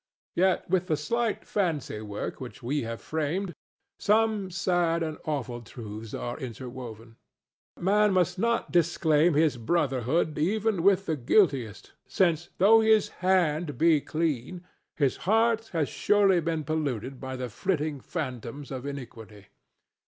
Yet, with the slight fancy work which we have framed, some sad and awful truths are interwoven. Man must not disclaim his brotherhood even with the guiltiest, since, though his hand be clean, his heart has surely been polluted by the flitting phantoms of iniquity.